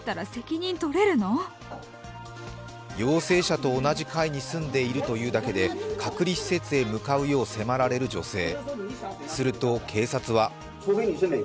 陽性者と同じ階に住んでいるというだけで隔離施設に向かうよう迫られる女性。